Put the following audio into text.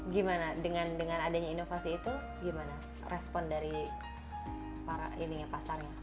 gimana dengan adanya inovasi itu gimana respon dari para ini ya pasarnya